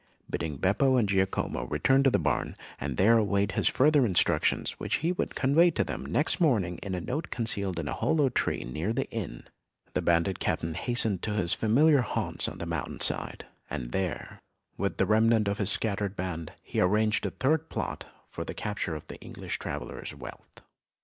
Bidding Beppo and Giacomo return to the barn, and there await his further instructions, which he would convey to them next morning in a note concealed in a hollow tree near the inn, the bandit captain hastened to his familiar haunts on the mountain side, and there, with the remnant of his scattered band, he arranged a third plot for the capture of the English travellers' wealth.